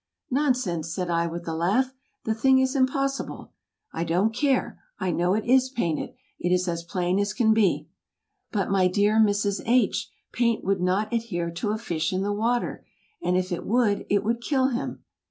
"Nonsense!" said I, with a laugh; "the thing is impossible." "I don't care, I know it is painted; it is as plain as can be." "But, my dear Mrs. H., paint would not adhere to a fish in the water; and if it would, it would kill him."